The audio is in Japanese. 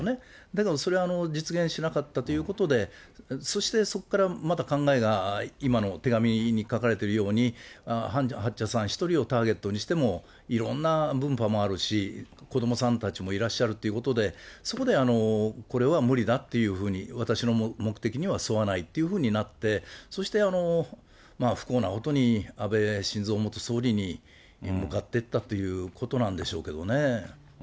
だけど、それ、実現しなかったということで、そして、そこからまた考えが、今の手紙に書かれてるように、ハン・ハクチャさん１人をターゲットにしても、いろんな分派もあるし、子どもさんたちもいらっしゃるっていうことで、そこでこれは無理だというふうに、私の目的にはそわないというふうになって、そして不幸なことに、安倍晋三元総理に向かっていったということなんでしょうけどね。